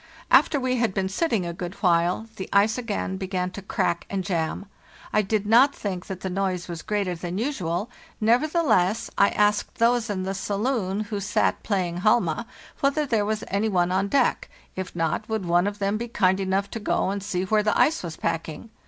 After we had been sitting a good while the ice again began to crack and jam. I did not think that the noise was greater than usual; neverthe less, I asked those in the saloon, who sat playing halma, whether there was any one on deck; if not, would one of them be kind enough to go and see where the ice was packing.